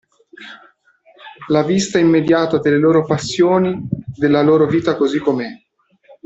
La vista immediata delle loro passioni, della loro vita così com'è.